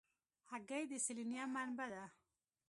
هګۍ د سلینیم منبع ده.